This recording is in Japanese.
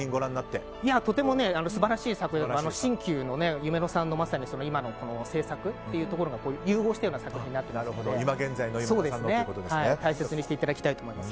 とても素晴らしい作品で新旧の夢乃さんの作品が融合したような作品になってますので大切にしていただきたいと思います。